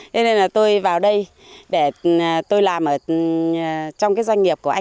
thế nên là tôi vào đây để tôi làm ở trong cái doanh nghiệp của anh